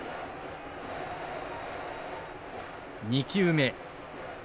２球目。